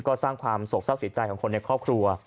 ก็สร้างความโศกเศร้าเสียใจของคนในครอบครัว